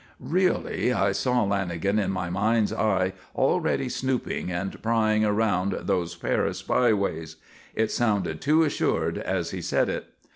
Really, I saw Lanagan in my mind's eye already snooping and prying around those Paris byways; it sounded too assured as he said it.